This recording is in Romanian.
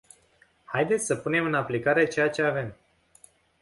Haideți să punem în aplicare ceea ce avem.